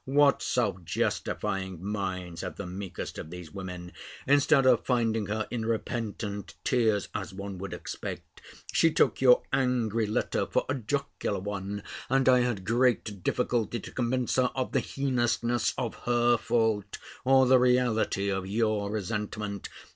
What self justifying minds have the meekest of these women! Instead of finding her in repentant tears, as one would expect, she took your angry letter for a jocular one; and I had great difficulty to convince her of the heinousness of her fault, or the reality of your resentment.